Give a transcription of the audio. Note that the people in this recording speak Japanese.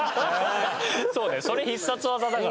そうねそれ必殺技だから。